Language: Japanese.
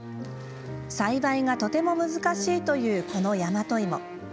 栽培がとても難しいというこの大和いも。